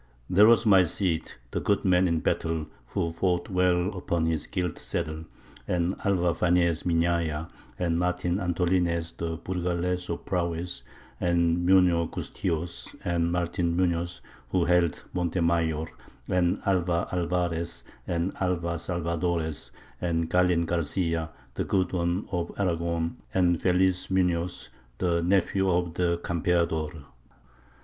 There was my Cid, the good man in battle, who fought well upon his gilt saddle; and Alvar Fañez Minaya, and Martin Antolinez the Burgalese of prowess, and Muno Gustios, and Martin Munoz who held Montemayor, and Alvar Alvarez, and Alvar Salvadores, and Galin Garcia the good one of Aragon, and Felez Munoz the nephew of the Campeador.